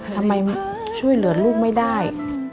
ทำไมช่วยเหลือลูกไม่ได้